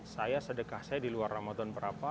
saya sedekah saya di luar ramadan berapa